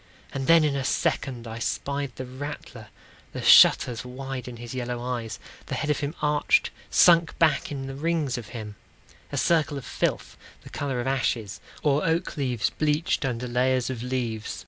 And then, in a second, I spied the rattler— The shutters wide in his yellow eyes, The head of him arched, sunk back in the rings of him, A circle of filth, the color of ashes, Or oak leaves bleached under layers of leaves.